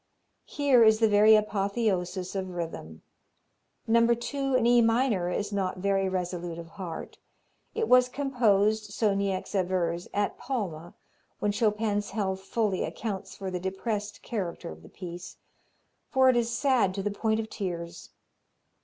Here is the very apotheosis of rhythm. No. 2, in E minor, is not very resolute of heart. It was composed, so Niecks avers, at Palma, when Chopin's health fully accounts for the depressed character of the piece, for it is sad to the point of tears.